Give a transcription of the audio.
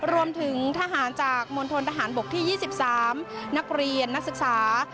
รวมถึงทหารจากมณฑนทหารบกที่๒๓นักเรียนนักศึกษา